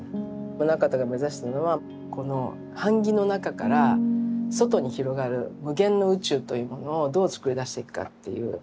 棟方が目指したのはこの版木の中から外に広がる無限の宇宙というものをどうつくり出していくかっていう。